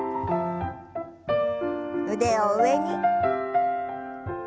腕を上に。